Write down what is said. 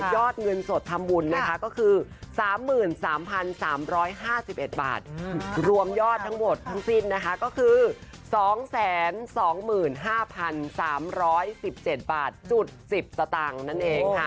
อดเงินสดทำบุญนะคะก็คือ๓๓๕๑บาทรวมยอดทั้งหมดทั้งสิ้นนะคะก็คือ๒๒๕๓๑๗บาทจุด๑๐สตางค์นั่นเองค่ะ